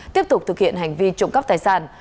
tiếp tục thực hiện hành vi trộm cắp tài sản